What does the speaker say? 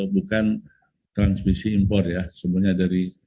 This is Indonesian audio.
bukan transmisi impor ya semuanya dari